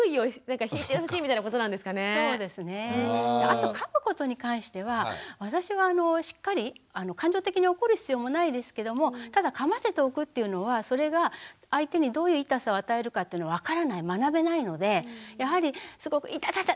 あとかむことに関しては私はしっかり感情的に怒る必要もないですけどもただかませておくっていうのはそれが相手にどういう痛さを与えるかっていうのを分からない学べないのでやはりすごく「イタタタタ」って言ってね